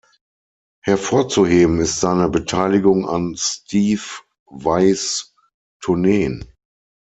Hervorzuheben ist seine Beteiligung an Steve Vais Tourneen.